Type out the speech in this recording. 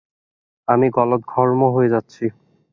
আমি গলদঘর্ম হয়ে যাচ্ছি।